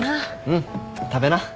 うん食べな。